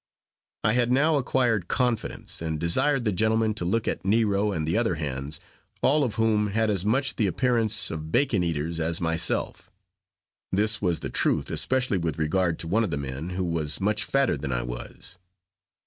I had now acquired confidence, and desired the gentlemen to look at Nero and the other hands, all of whom has as much the appearance of bacon eaters as myself. This was the truth, especially with regard to one of the men, who was much fatter than I was.